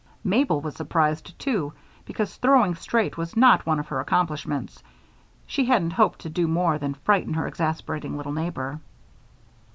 Mabel was surprised, too, because throwing straight was not one of her accomplishments. She hadn't hoped to do more than frighten her exasperating little neighbor.